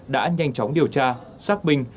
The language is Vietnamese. đã nhanh chóng điều tra xác bình